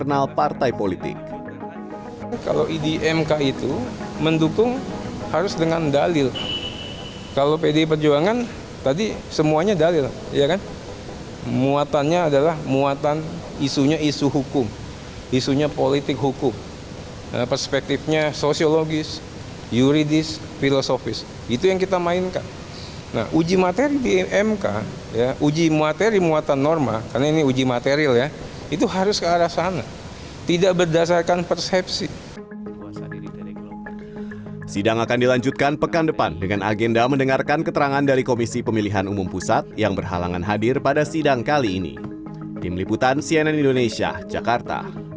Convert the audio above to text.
namun anggota dpr fraksi golkar supriyansa mengatakan bahwa dalil para pemohon tidak tepat